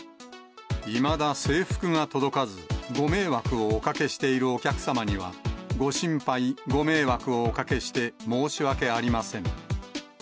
いまだ制服が届かず、ご迷惑をおかけしているお客様には、ご心配、ご迷惑をおかけして申し訳ありません。